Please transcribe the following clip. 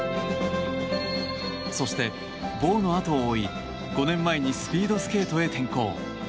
そして、ボウの後を追い５年前にスピードスケートへ転向。